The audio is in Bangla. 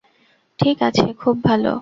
ঠিক আছে, খুব ভালো।